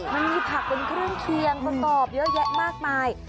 มันมีผักเป็นเครื่องเคียงประกอบเยอะแยะมากมาย